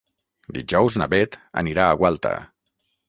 Dijous na Bet anirà a Gualta.